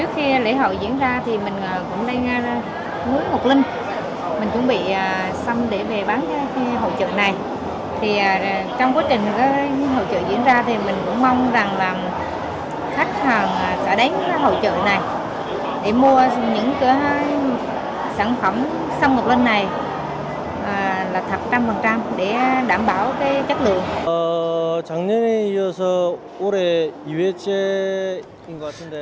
khi hậu trợ diễn ra thì mình cũng mong rằng khách hàng sẽ đến hậu trợ này để mua những sản phẩm sâm ngọc linh này là thật một trăm linh để đảm bảo chất lượng